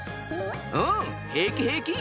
うん平気平気。